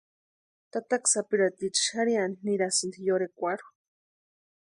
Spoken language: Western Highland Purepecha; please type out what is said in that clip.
Tataka sapirhapitiecha xarhiani nirasïnti yorhekwarhu.